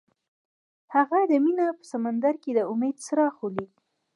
هغه د مینه په سمندر کې د امید څراغ ولید.